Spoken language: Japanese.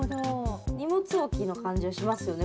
荷物置きの感じはしますよね